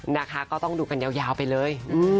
นะคะก็ต้องดูกันยาวไปเลย